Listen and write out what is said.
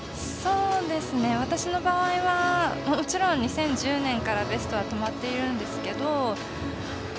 私の場合はもちろん２０１０年からベストは止まっているんですけど。